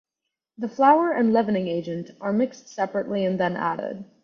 The flour and leavening agent are mixed separately and then added.